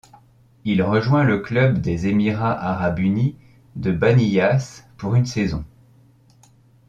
Il rejoint le club des Emirats Arabe Unis de Baniyas pour une saison.